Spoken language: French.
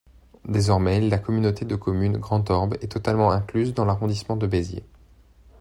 Désormais la communauté de communes Grand Orb est totalement incluse dans l’arrondissement de Béziers.